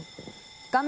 画面